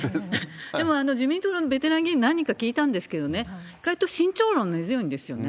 でも自民党のベテラン議員に何人か聞いたんですけれども、意外と慎重論根強いんですよね。